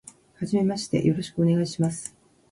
はじめまして、よろしくお願いします。